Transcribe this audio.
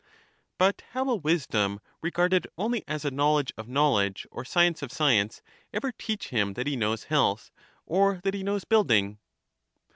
But how will wisdom, regarded only as a knowl edge of knowledge or science of science, ever teach him that he knows health, or that he knows build ing?